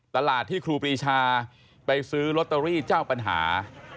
ตลาดที่ครูปรีชาไปซื้อลอตเตอรี่เจ้าปัญหา